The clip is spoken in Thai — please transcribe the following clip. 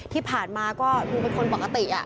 ที่ผ่านมาก็ดูเป็นคนปกติ